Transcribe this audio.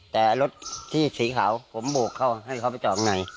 แต่รถที่สีขาวผมโบกเข้าให้เขาไปจอดข้างใน